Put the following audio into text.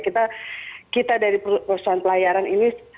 kita dari perusahaan pelayaran ini